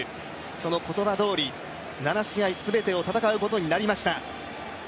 その言葉どおり７試合全てを戦うことになりました。